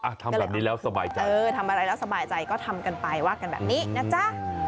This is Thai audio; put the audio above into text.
ทำแบบนี้แล้วสบายใจเออทำอะไรแล้วสบายใจก็ทำกันไปว่ากันแบบนี้นะจ๊ะ